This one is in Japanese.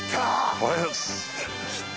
おはようございます。